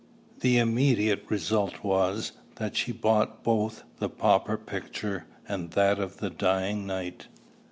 The immediate result was, that she bought both the pauper picture and that of the dying knight.